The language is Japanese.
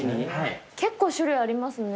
結構種類ありますね。